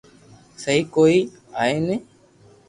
سھي ڪوئي آئئئي